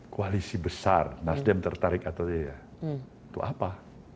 koalisi besar nasdem tertarik atau tidak itu apa